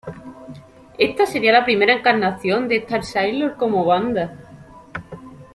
Esta sería la primera encarnación de Starsailor como banda.